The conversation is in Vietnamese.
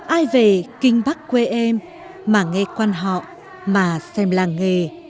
ai về kinh bắc quê em mà nghe quan họ mà xem làng nghề